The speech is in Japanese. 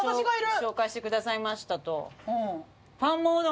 「紹介してくださいました」と。